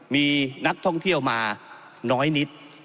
มีนักท่องเที่ยวมาน้อยนิด